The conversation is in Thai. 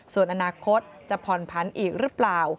ส่วนอนาคตจะผ่อนผันอีกหรือเปล่า